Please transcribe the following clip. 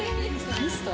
ミスト？